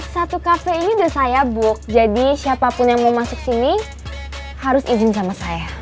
satu kafe ini udah saya buk jadi siapapun yang mau masuk sini harus izin sama saya